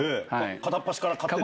片っ端から買っていって？